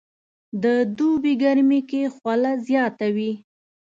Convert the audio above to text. د دوبي ګرمي کې خوله زياته وي